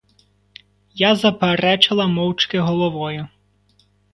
Я заперечила мовчки головою.